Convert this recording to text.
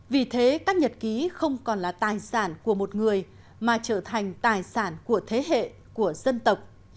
vì thế các nhật ký không còn là tài sản của một người mà trở thành tài sản của thế hệ của dân tộc